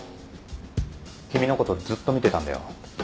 君のことずっと見てたんだよ。